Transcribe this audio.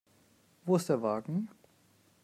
Wo ist der Wagen?